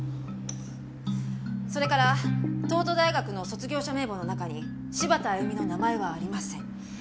それから東都大学の卒業者名簿の中に柴田亜弓の名前はありません。